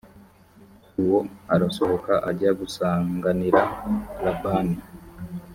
uwo arasohoka ajya gusanganirira labani